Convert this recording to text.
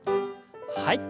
はい。